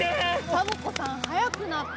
サボ子さんはやくなった。